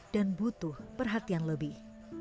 dan butuh perhatian lebih